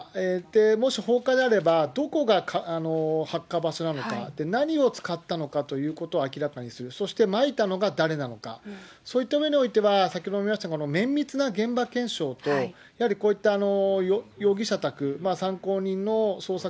もし放火であれば、どこが発火場所なのか、何を使ったのかということを明らかにする、そしてまいたのが誰なのか、そういった面においては、先ほども言いましたけれども、綿密な現場検証と、やはりこういった容疑者宅、参考人の捜索